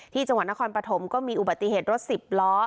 ที่จังหวัดนครปฐมก็มีอุบัติเหตุรถสิบล้อ